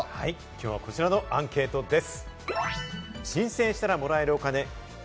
今日はこちらのアンケートです。